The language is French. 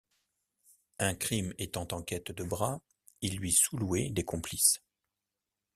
Un crime étant en quête de bras, ils lui sous-louaient des complices.